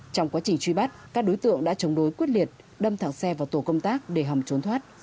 trong quá trình truy bắt các đối tượng đã chống đối quyết liệt đâm thẳng xe vào tổ công tác để hòng trốn thoát